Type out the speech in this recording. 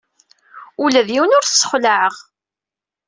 Ula d yiwen ur t-ssexlaɛeɣ.